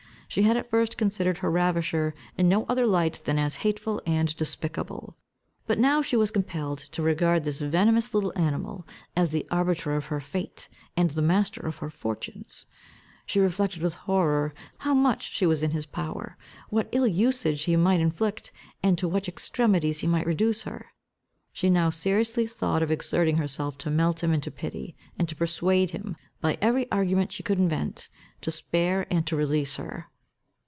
She had at first considered her ravisher in no other light than as hateful and despicable, but she was now compelled to regard this venomous little animal, as the arbiter of her fate, and the master of her fortunes. She reflected with horror, how much she was in his power, what ill usage he might inflict, and to what extremities he might reduce her. She now seriously thought of exerting herself to melt him into pity, and to persuade him, by every argument she could invent, to spare and to release her.